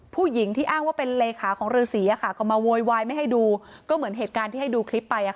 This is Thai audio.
ผู้หญิงที่อ้างว่าเป็นเลขาของฤษีก็มาโวยวายไม่ให้ดูก็เหมือนเหตุการณ์ที่ให้ดูคลิปไป